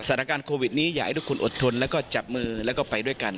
สถานการณ์โควิดนี้อยากให้ทุกคนอดทนแล้วก็จับมือแล้วก็ไปด้วยกัน